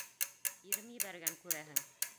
Ирем ебәргән, күрәһең!